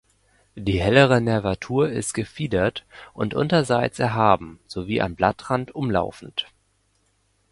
Die hellere Nervatur ist gefiedert und unterseits erhaben sowie am Blattrand umlaufend.